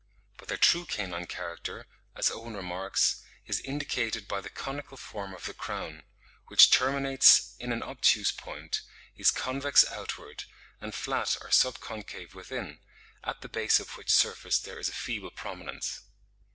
But their true canine character, as Owen (42. 'Anatomy of Vertebrates,' vol. iii. 1868, p. 323.) remarks, "is indicated by the conical form of the crown, which terminates in an obtuse point, is convex outward and flat or sub concave within, at the base of which surface there is a feeble prominence.